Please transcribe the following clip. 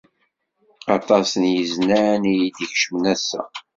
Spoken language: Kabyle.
Aṭas n yiznan i yi-d-ikecmen ass-a.